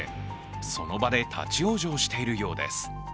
その場で立往生しているようです。